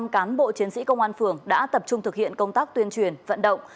một trăm cán bộ chiến sĩ công an phường đã tập trung thực hiện công tác tuyên truyền vận động